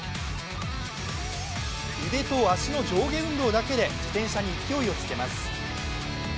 腕と足の上下運動だけで自転車に勢いをつけます。